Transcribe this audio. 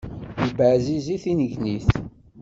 Yebeɛẓeẓẓi tinnegnit.